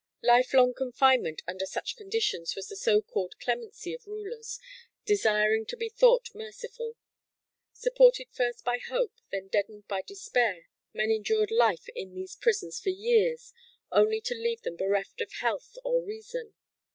Life long confinement under such conditions was the so called "clemency" of rulers desiring to be thought merciful. Supported first by hope, then deadened by despair, men endured life in these prisons for years only to leave them bereft of health or reason.